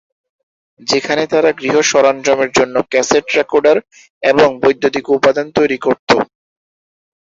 যেখানে তারা গৃহ সরঞ্জামের জন্য ক্যাসেট রেকর্ডার এবং বৈদ্যুতিক উপাদান তৈরি করতো।